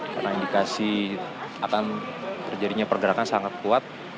karena indikasi akan terjadinya pergerakan sangat kuat